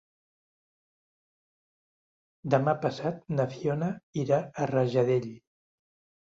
Demà passat na Fiona irà a Rajadell.